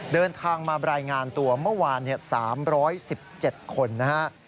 เดินทางมารายงานตัวเมื่อวาน๓๑๗คนนะฮะ